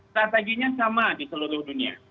strateginya sama di seluruh dunia